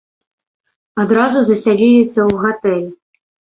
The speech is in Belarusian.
Адразу засяліліся ў гатэль.